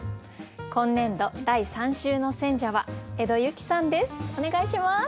今年度第３週の選者は江戸雪さんです。